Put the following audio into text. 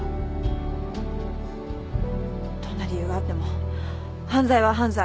どんな理由があっても犯罪は犯罪。